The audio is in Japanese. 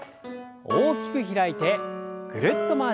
大きく開いてぐるっと回します。